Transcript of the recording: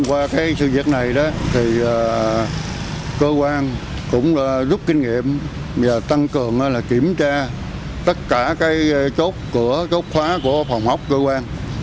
qua cái sự việc này đó thì cơ quan cũng rút kinh nghiệm và tăng cường kiểm tra tất cả cái chốt khóa của phòng học cơ quan